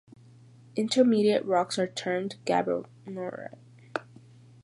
Intermediate rocks are termed gabbro-norite.